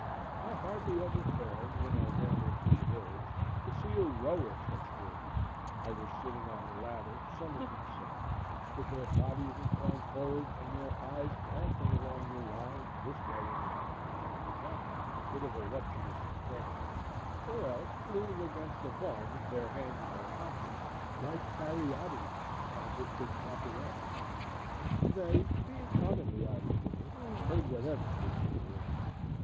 I hardly ever failed, when I rambled through the village, to see a row of such worthies, either sitting on a ladder sunning themselves, with their bodies inclined forward and their eyes glancing along the line this way and that, from time to time, with a voluptuous expression, or else leaning against a barn with their hands in their pockets, like caryatides, as if to prop it up. They, being commonly out of doors, heard whatever was in the wind.